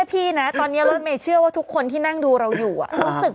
มีแต่ต้มพิงกับตาแดง